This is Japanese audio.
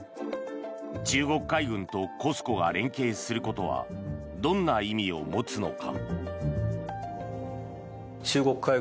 中国海軍とＣＯＳＣＯが連携することはどんな意味を持つのか。